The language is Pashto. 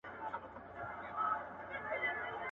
• د ړانده او گونگي ترمنځ جنگ نه پېښېږي.